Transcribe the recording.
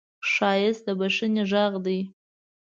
ښایست د بښنې غږ دی